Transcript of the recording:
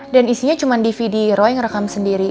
dan isinya cuma dvd roy ngerekam sendiri